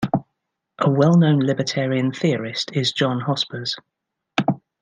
A well known Libertarian theorist is John Hospers.